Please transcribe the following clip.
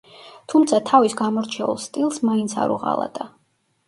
თუმცა თავის გამორჩეულ სტილს მაინც არ უღალატა.